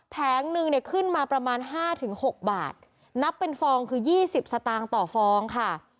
แผงหนึ่งเนี่ยขึ้นมาประมาณห้าถึงหกบาทนับเป็นฟองคือยี่สิบสตางค์ต่อฟองค่ะ